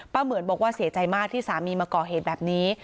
เหมือนบอกว่าเสียใจมากที่สามีมาก่อเหตุแบบนี้